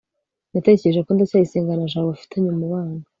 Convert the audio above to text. natekereje ko ndacyayisenga na jabo bafitanye umubano